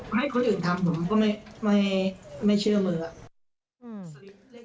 ให้คนอื่นทำผมก็ไม่เชื่อเบอร์